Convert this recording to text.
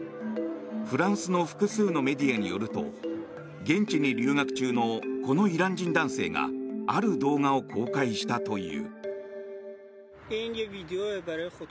フランスの複数のメディアによると現地に留学中のこのイラン人男性がある動画を公開したという。